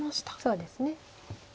そうですね。